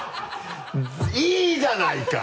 いいじゃないか！